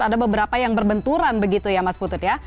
ada beberapa yang berbenturan begitu ya mas putut ya